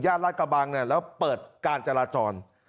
ญาติรัฐกระบังเนี่ยแล้วเปิดการจราจร